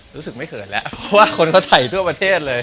รู้สึกไม่เขินแล้วเพราะว่าคนเขาถ่ายทั่วประเทศเลย